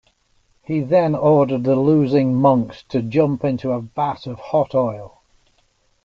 He then ordered the losing monks to jump into a vat of hot oil.